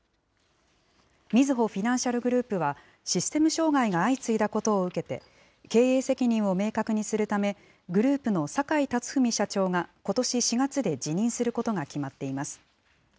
みずほフィナンシャルグループは、システム障害が相次いだことを受けて、経営責任を明確にするため、グループの坂井辰史社長がことし４月で辞任することが決まっています。